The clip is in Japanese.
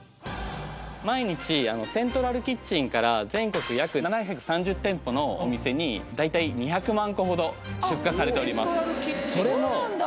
毎日セントラルキッチンから全国約７３０店舗のお店に大体２００万個ほど出荷されておりますそうなんだ